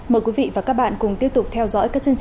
mời quý vị và các bạn cùng tiếp tục theo dõi các chương trình